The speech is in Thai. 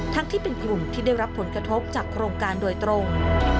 ที่เป็นกลุ่มที่ได้รับผลกระทบจากโครงการโดยตรง